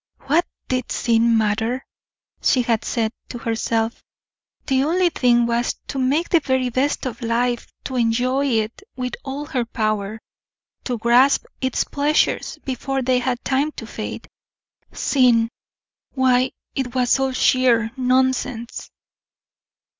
"What did sin matter?" she had said, to herself; "the only thing was to make the very best of life, to enjoy it with all her power, to grasp its pleasures before they had time to fade." Sin! why it was all sheer nonsense.